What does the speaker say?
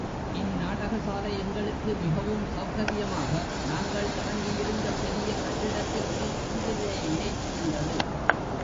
இந் நாடகசாலை எங்களுக்கு மிகவும் சௌகர்யமாக, நாங்கள் இறங்கியிருந்த பெரிய கட்டிடத்திற்கு எதிரிலேயே இருந்தது.